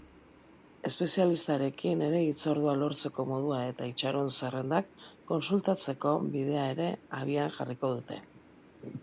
Espezialistarekin ere hitzordua lortzeko modua eta itxaron-zerrendak kontsultatzeko bidea ere abian jarriko dute.